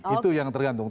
itu yang tergantung